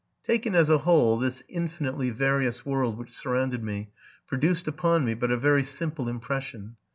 Taken as a whole, this infinitely various world which sur rounded me produced upon me but a very simple impression.